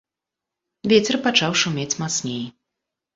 Вецер пачаў шумець мацней.